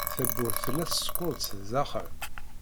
Tawwurt tella tsekkeṛ-d sdaxel.